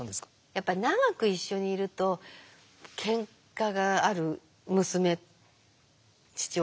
やっぱり長く一緒にいるとけんかがある娘父親だったので。